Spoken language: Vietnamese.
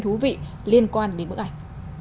thú vị liên quan đến bức ảnh